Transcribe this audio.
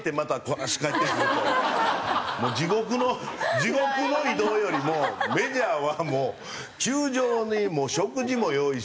地獄の地獄の移動よりもメジャーはもう球場に食事も用意しはるしね